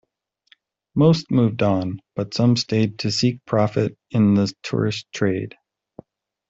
Most moved on, but some stayed to seek profit in the tourist trade.